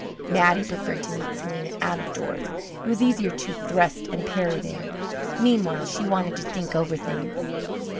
Mattie preferred to meet Selena out of doors. It was easier to thrust and parry there. Meanwhile, she wanted to think over things.